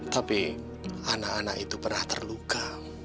tapi anak anak itu pernah terluka